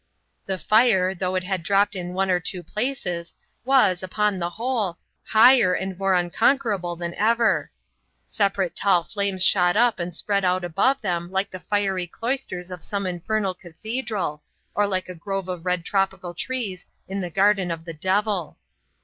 The fire, though it had dropped in one or two places, was, upon the whole, higher and more unconquerable than ever. Separate tall flames shot up and spread out above them like the fiery cloisters of some infernal cathedral, or like a grove of red tropical trees in the garden of the devil.